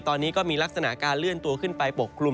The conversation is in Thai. ตอนนี้ก็มีลักษณะการเลื่อนตัวขึ้นไปปกคลุม